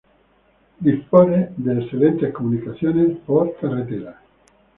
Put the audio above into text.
Dispone de excelentes comunicaciones por carretera.